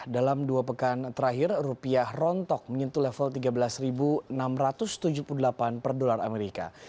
dalam dua pekan terakhir rupiah rontok menyentuh level tiga belas enam ratus tujuh puluh delapan per dolar amerika